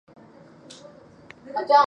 山东战事仍为全局关键。